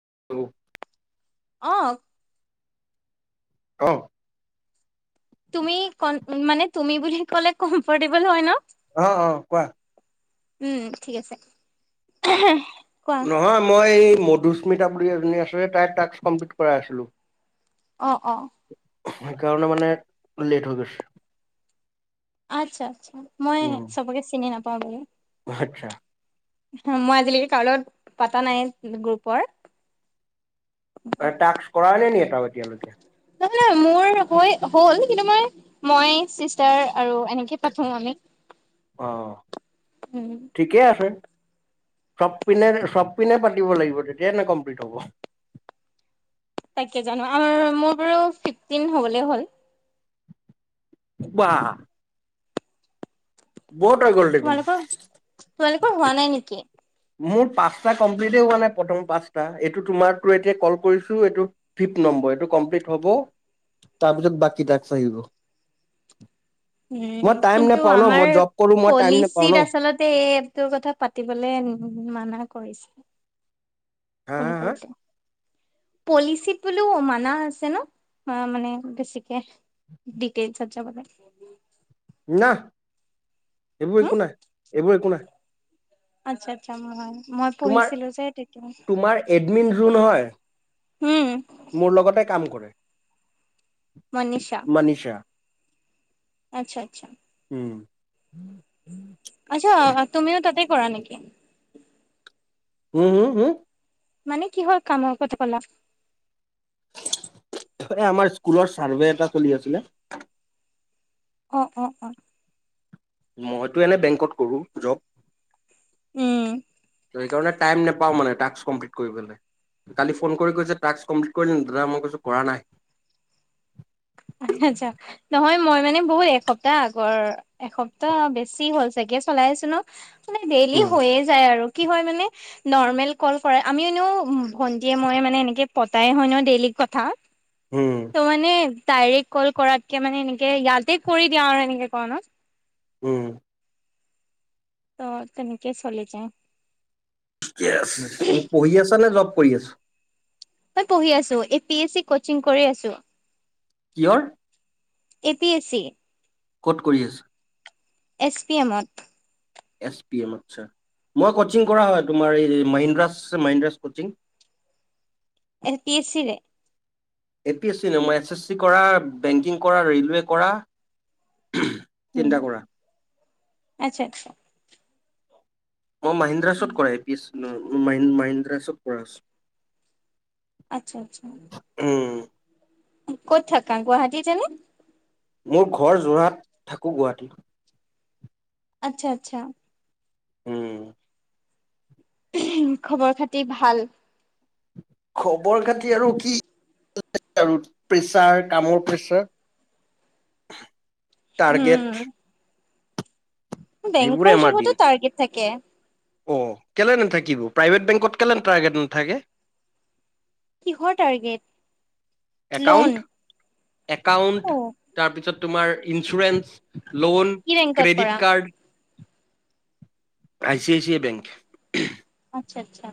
[inaudible] অঁ। [inaudible] তুমি মানে, তুমি বুলি কলে কমফৰ্টেবল হয় ন? অঁ-অঁ কোৱা! উম ঠিক আছে। কোৱা নহয় মই মধুস্মিতা বুলি এজনী আছে, তাই টাস্ক কমপিলিট কৰাই আছিলো। অঁ-অঁ। সেইকাৰণে মানে লেট হৈ গৈছে। আচ্ছা আচ্ছা, মই উম চবকে চিনি নাপাওঁ [inaudible] আচ্ছা। মই আজিলৈকে কাৰো লগত পাতা নাই, গ্ৰুপৰ টাস্ক কৰা নাই নি এটা এতিয়ালৈকে? নহয় নহয় মোৰ হৈ হ'ল, কিন্তু মই, মই চিষ্টাৰ আৰু এনেকে পাতা আমি। অঁ। উম ঠিকেই আছে। চব পিনে, চব পিনে পাতিব লাগিব, তেতিয় নে কমপ্লিট হ'ব। তাকে জানো, আৰু মোৰ বাৰু ফিফটিন হ'বলে হ'ল। বাহ বহত হৈ গ'ল দেখোন। তোমালোকৰ তোমালোকৰ হোৱা নাই নেকি? মোৰ পাঁচটা কমপ্লিটেই হোৱা নাই প্ৰথম পাঁচটা, এইটো তোমাৰ এতিয়া কল কৰিছোঁ, এইটো ফিফট নম্বৰ, এইটো কমপ্লিট হ'ব, তাৰপিছত বাকী তাকচ আহিব। উম, মই টাইম কিন্তু নাপাওঁ ন আমাৰ মই জব কৰো মই টাইম নাপাওঁ ন পলিচত আচলতে এইপটোৰ কথা পাতিবলে ন তি মানা কৰিছে। হা ফোন হা হা কৰোতে পলিচিত বোলো মানা আছে ন হা মানে বেছিক ডিকেইচত যাবতে না এইবোৰ হম একো নাই এইবোৰ একো নাই আচ্ছা আচ্ছা অম মই তোমাৰ পঢ়িছিলো যে তেতিয়া কোন হয় উম মোৰ লগতে কাম কৰে মনিচা মানিষা আচ্ছা আচ্ছা উম আচ্ছা তুমিও তাতে কৰা নেকি উম হু হু মানে কি হৰ কামৰ কথা কলা আমাৰ স্কুলৰ চাৰ্ভে এটা চলি আছিলে অ অ অ মইতো এনে বেংকত কৰোঁ জব উম সেইকাৰণে টাইম নাপাওঁ মানে টাস্ক কমপ্লিট কৰিবলে কালি ফোন কৰি কৈছে টাস্ক কমপ্লিট কৰিলে দাদা মই কৈছোঁ কৰা নাই আচা আচ্ছা নহয় মই মানে বহুত এসপ্তাহ আগৰ এসপ্তাহ বেছি হ'ল চাগে চলাই আছো ন মানে ডেইলি উম হৈয়ে যায় আৰু কি হয় মানে নেৰ্মেল কল কৰা আমি এনেঅ ভন্টিয়ে মই মানে এনেকে পতাই হয় ন ডেইলি কথা ত উম মানে তাইৰে কল কৰাতকে মানে এনেকে ইয়াতে কৰি দিয়া আৰু এনেকে কৰণত উম ত তেনেকে চলি যাই ঠিকে আছে মোক পঢ়ি আছা নে জব কৰি আছা এ পঢ়ি আছো A P S C coaching কৰি আছো কিহৰ এ পি এছ চি কত কৰি আছে এছ পি এমত এছ পি এম আচ্ছা মই কচিং কৰা হয় তোমাৰ এই Mahindras Mahindras coaching M P S C ৰে এ পি এছ চি না মই এছ এছ চি কৰা বেংকিং কৰা ৰেইলৱে কৰা উম, চিন্তা কৰা আচ্ছা [inaudible] মই মহাহিন্দ্ৰা চত কৰা পিছ ম মাইণ্ডা চব কৰাছ আচ্ছা আচ্ছা ক'ত থাকা গুৱাহাটীতেনে মোৰ ঘৰ যোৰহাট থাকো গুৱাহাটী আচ্ছা আচ্ছা উম খবৰ খাতি ভাল খবৰ খাতি আৰু কি আৰু প্ৰেছাৰ কামৰ প্ৰেচাৰ টাৰ্গেট উম সেইবোৰে বেংকৰ আমাৰ দিন যুগতো টাৰ্গেট থাকে অ কেলে নেথাকিব প্ৰাইভেট বেংকত কেলেন টাৰ্গেট নাথাকে কিহৰ টাৰ্গেট লোন একাউণ্ট একাউণ্ট অ' তাৰপিছত তোমাৰ ইঞ্চুৰেঞ্চ লোন কি বেংকত কৰা? Credit card I C I C I bank আচ্ছা আচ্ছা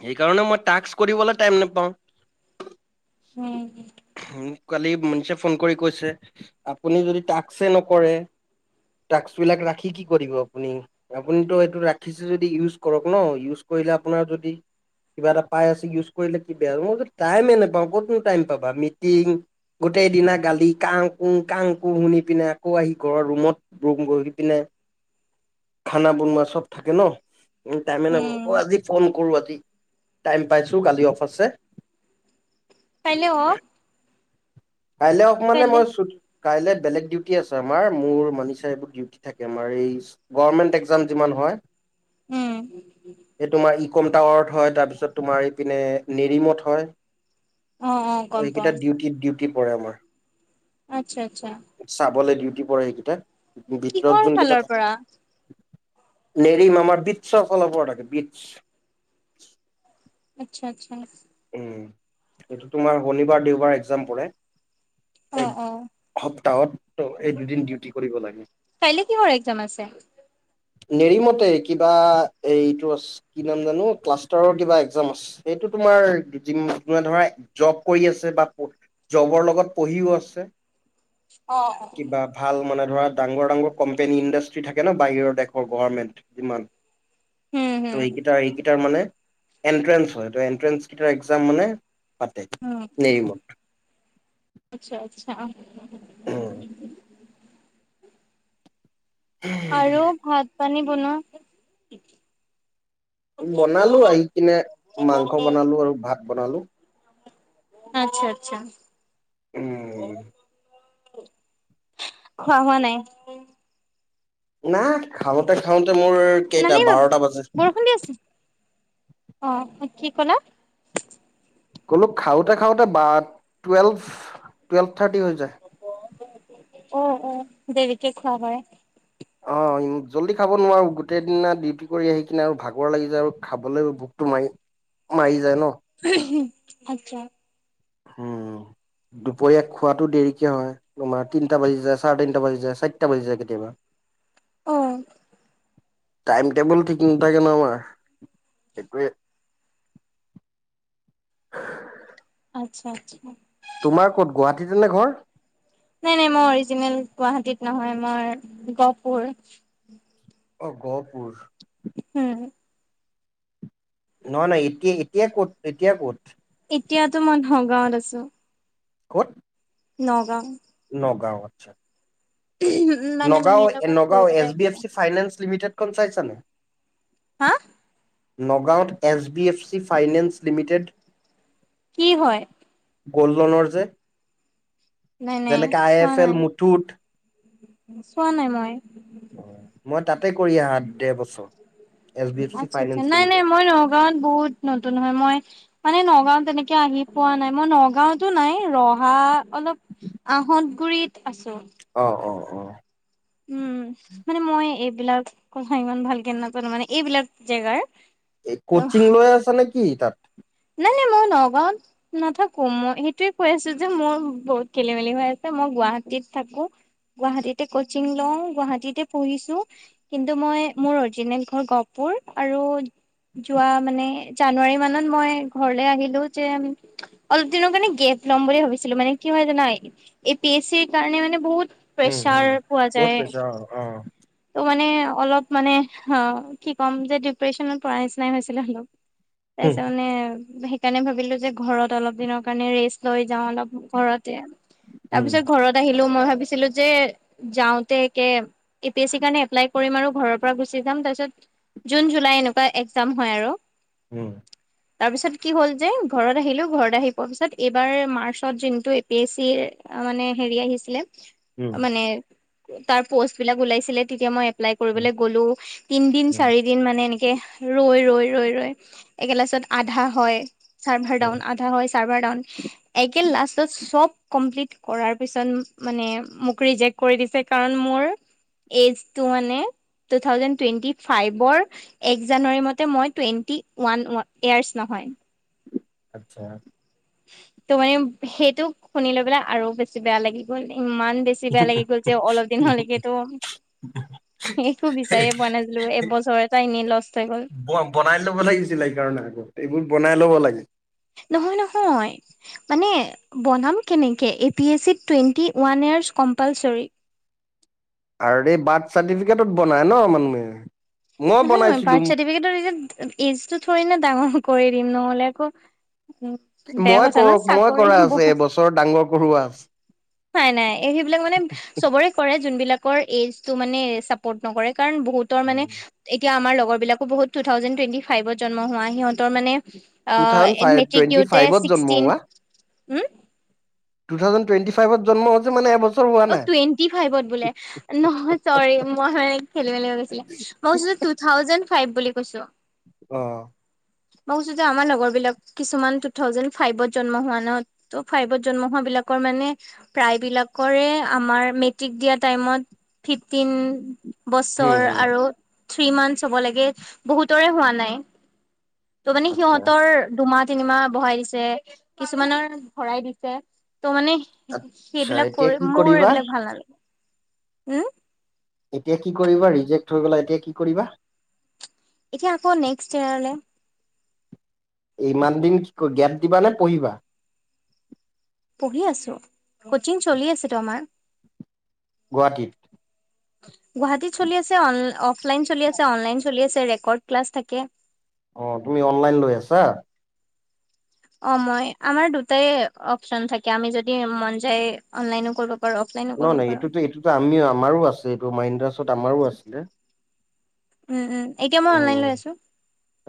সেইকাৰণে মই টাস্ক কৰিবলৈ টাইম নাপাওঁ উম [inaudible] কালি মনিষে ফোন কৰি কৈছে আপুনি যদি টাক্সে নকৰে টাক্সবিলাক ৰাখি কি কৰিব আপুনি আপুনিতো এইটো ৰাখিছে যদি ইউজ কৰক ন ইউজ কৰিলে আপোনাৰ যদি কিবা এটা পাই আছে ইউজ কৰিলে কি বেয়া মই টাইমে নাপাওঁ কতনো টাইম পাবা মিটিং গোটেই দিনা গালি কা কু কাং কু শুনি পিনে আকৌ আহি ঘৰৰ ৰুমত ৰুম বহি পিনে খানা বনোৱা চব থাকে ন উ তাইে নাই উম আজি ফোন কৰো আ টাইম পাইছো কালি অফ আছে হেল্ল' কাইলৈ অক মানে মই কাইলৈ বেলেগ ডিউটি আছে আমাৰ মোৰ মানিছে এইবোৰ ডিউটি থাকে আমাৰ এই গভৰ্মেণ্ট একজাম যিমান হয় উম। এই তোমাৰ ই কমটাৱৰ্থ হয় তাৰপিছত তোমাৰ ইপিনে নিৰিমত হয় অ অ গম সকেইটা পাওঁ ডিউটিতউ টি পৰে আমাৰ আচ্ছা আচ্ছা চাবলৈ ডিউটি পৰে সেইকেইটা কিহৰ ফালৰ পৰা নেৰিমমাৰ বিতছৰ কল পৰা থাকে বিতছ্ আচ্ছা আচ্ছা উ এইটো তোমাৰ শনিবাৰ দেওবাৰ এক্জাম পৰে অ এই অ স তাহত কাইলে কিহৰ এক্জাম আছে নেৰিমতে কিবা এইটো আ কি নাম জানো ক্লাষ্টাৰৰ কিবা এক্জাম আছে সেইটো তোমাৰ যোনে ধৰা জব কৰি আছে বা জবৰ লগত পঢ়িও আছে উম কিবা ভাল মানে ধৰা ডাঙৰ ডাঙৰ কোম্পেনী ইণ্ডাষ্ট্ৰি থাকে ন বাহিৰৰ দেশৰ গভমেণ্ট যিমান হুম এইকেইটা এই মানে এণ্ট্ৰেন্স হয় এণ্ট্ৰেন্স এক্জাম মানে পাতে উ নেৰিমত আচ্ছা আচ্ছা অ আৰু ভাত পানী বনুৱা বনালো আহি কিনে মাংস বনালো আৰু ভাত বনালো আচ্ছা আচ্ছা অ উম খোৱা হোৱা নাই নাই খাওঁতে খাওঁতে মোৰ কেইটা নানি বাৰটা বাজে বৰষুণ দি আছে অ কি কলা ক'লো খাওতে খাওতে বা টুৱেলভ টুৱেল্ভ থাৰ্টি হৈ যায় অ অ দেৰিকে খোৱা হয় অ জল্দি খাব নোৱাৰো গোটেই দিনা ডিউটি কৰি আহি কিনে আৰু ভাগৰ লাগি যায় আৰু খাবলৈ ভোকটো মাৰি মাৰি যায় ন [inaudible] আচ্ছা উম দুপৰীয়া খোৱাাটো দেৰিকে হয় তোমাৰ তিনটা বাজি যায় চাৰে তিনটা বাজি যায় চাৰিটা বাজি যায় কেতিয়াবা অ টাইম টেবুল ঠিক নাথাকে ন আমাৰ সেইটয়ে আচ্ছা আচ্ছা তোমাৰ কত গুৱাহাটীতে নে ঘৰ নাই নাই মই অৰিজিনেল গুৱাহাটীত নহয় মই গহপুৰ অ গহপুৰ হম নহ নহয় এতিয়া এতিয় ক'ত এতিয়া ক'ত এতিয়াতো মই নগাঁৱত আছো ক'ত নগাঁও নগাঁও আচ্ছা মানে নগাঁও মাহীৰ লগত নগাঁও ফুৰিবলৈ এচ ড এফ আহিছো চি ফাইনেন্স লিমিটেডখন চাইছে চানয় হা নগাঁৱত H D F C finance limited কি হয় গ'ল্ড লোনৰ যে নাই নাই যেনেকে আই চোৱা এফ এল নাই মুঠুত চোৱা নাই মই মই তাতে কৰি আহা দেৰ বছৰ এছ বি এফ চি আছা আচছা ফাইনেন্স নাই নাই লিমিটেড মই নগাৱত বহুত নতুন হয় মই মানে নগাঁও তেনেকে আহি পোৱা নাই মই নগাঁওতো নাই ৰহা অলপ আহল গুৰিিত আছে অ অ অ উম মানে মই এইবিলাক কথা ইমান ভালকে নাপালো মানে এইবিলাক জেগাৰ এই ত কচিং লৈ আছা নেকি কি তাত নাই নাই মই নগাঁৱত নাথাকো মই সেইটোৱে কৈ আছো যে মোৰ বহুত খেলি মেলি হৈ আছে মই গুৱাহাটীত থাকো গুৱাহাটীতে কচিং লওঁ গুৱাহাটীতে পঢ়িছো কিন্তু মই মোৰ অৰিজিনেল ঘৰ গহপুৰ আৰু যোৱা মানে জানুৱাৰী মানত মই ঘৰলে আহিলো যে অলপ দিনৰ কাৰণে গেপ ল'ম বুলি ভাবিছিলো মানে কি হয় জানাই এ পি এছ চিৰ কাৰণে মানে বহুত উম প্ৰেচাৰ হম পোৱা বহুত যায় পইছা অ অ ত' মানে অলপ মানে অ কি ক'ম যে ডিপ্ৰেশচনত পৰা নিচিনাই হৈছিলে হলক তছ উম মানে সেইকাৰণে ভাবিলো যে ঘৰত অলপ দিনৰ কাৰণে ৰেষ্ট লৈ যাওঁ অলপ ঘৰতে তাৰ উম পিছত ঘৰত আহিল বলো মই ভাবিছিলো যে যাওঁতে একে এি এ আৰু উম। তাৰ পিছত কি হ'ল যে ঘৰত আহিলো, ঘৰত আহি পোৱা পিছত। এইবাৰ মাৰ্চত যোনটো এ পি এছ চিৰ এ মানে হেৰি আহিছিলে। উম মানে তাৰ পস ট বিলাক উলাইছিলে, তেতিয়া ময় উলাই উম কৰিবলে গৰু। উম তিনদিন-চাৰিদিন মানে এনেক কে, ৰৈ-ৰৈ-ৰৈ-ৰৈ একে-ক্লাছত আধা হয় চাৰ্ভাৰ উম ডাউন আধা হয় চাৰ্ভাৰ ডাউন একেল লাষ্টত চব কম্পলিট কৰাৰ পিছত, মানে মোক ৰিজেণ্ট কৰি দিছে। কাৰণ মোৰ এইজটো মানে টু থাউজেন্ড টুৱেন্টি ফাইভৰ এক জানুৱাৰী মতে মই টুৱেন্টি ওৱান‌ অ-ইয়াৰ্ছ নহয়। আচ্ছা। ত' মানে সেইটো শুনি লৈ পেলাই আৰু বেছি বেয়া লাগি গ'ল নে। ইমান বেছি বেয়া লাগি গ'ল, যে অলপ দিন হলেগেতো, সেইটো বিচাৰিয়ে পোৱা নাছিলোঁ। এবছৰ এটা এনেই লষ্ট হৈ গ'ল। ব বনাই ল'ব লাগিছিল সেইকাৰণে আগত এইবোৰ বনাই ল'ব লাগে। নহয়-নহয়, মানে বনাব কেনেকে। এ পি এছ চিত টুৱেণ্টি ওৱান ইয়াৰ্ছ কম্পালছৰী। আৰু এই বাৰ্থ চাৰ্টিফিকেটত বনাই ন' মানুহে। মই নহয়-নহয়, বনাইছিলো বাৰ্থ চাৰ্টিফিকেটৰ এই যে এইজ থৰি না ডাঙৰ অহ কৰি দিম। নহয় পেলাই একো মই কৰো-মই কৰাই আছে। এইবছৰ ডাঙৰ কৰোৱা আছ নাই-নাই। এই সেইবিলাক মানে এ চবৰে কৰে জনবিলাকৰ এইজটো মানে চাপ'ৰ্ট নকৰে। কাৰণ বহুতৰ মানে, এতিয়া আমাৰ লগ লগৰবিলাক‌ও বহুত টু থাউজেন্ড টুৱেন্টি ফাইভত জন্ম হোৱা। সিহঁতৰ মানে অ টু থাউজেন্ড মেট্ৰিক ফাইভ-টুৱেন্টি দিওঁতে ফাইভত জন্ম ছিক্সটিন হোৱা। উম। টু থাউজেন্ড টুৱেন্টি ফাইভত জন্ম হৈছে মানে এবছ অ, টুৱেণ্টি ফাইভত বোলে, নহয় চৰি মই ল হৈ গৈছিলে। ম‌ই কৈছে যে টু থাউজেন্ড ফাইভ বুলি কৈছোঁ। অ। মই কৈছোঁ যে আমাৰ লগৰবিলাক কিছুমান টু থাউজেন্ড ফাইভত জন্ম হোৱা ন। ত' ফাইভত জন্ম হোৱাবিলাকৰ মানে প্ৰায় বিলাকৰে আমাৰ মেট্ৰিক দিয়া টাইমত ফিফটিন হুম বছৰ হুম আৰু থ্ৰী মান্থছ্ হ'ব লাগে। বহুতৰে হোৱা নাই। ত' মানে আচ্ছা সিহঁতৰ দুহমাত তিনিমাহ বহাই দিছে। কিছুমানৰ ভৰাই দিছে। ত' মানে আচ্ছা সে-সেইবিলাক এতিয়া কৰি, কি মোৰ কৰিবা এইবিলাক ভাল নালাগে। হম এতিয়া কি কৰিবা ৰিজেক্ট হৈ গলা এতিয়া কি কৰিবা এতিয়া আকৌ নেক্সট ইয়াৰলে ইমান দিন কি গেপ দিবা নে পঢ়িবা পঢ়ি আছোঁ কোচিং চলি আছে টো আমাৰ। গুৱাহাটীত। গুৱাহাটীত চলি আছে। অফলাইন চলি আছে অনলাইন চলি আছে ক্লাছ থাকে। অ তুমি অনলাইন লৈ আছা? অ আমাৰ দুটাই অপচন থাকে আমী যদি মন যায় অনলাইনও কৰিব পাৰোঁ। নহয় নহ এইটোতো এইটোতো আমিও আমাৰো আছে। এইটো মাইন্দ্ৰাছত আমাৰো আছিলে। উম', - উম', এতিয়া মই অনলাইন লৈ উম আছো।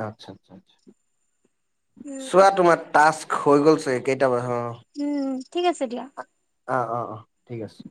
আচ্ছা- আচ্ছা- আচ্ছা উম চোৱা তোমাৰ তচ হৈ গ'লছে কেইটামাৰ উম', ঠিক আছে দিয়া। অঁহ ', - অঁহ ', - অঁহ ', ঠিক আছে।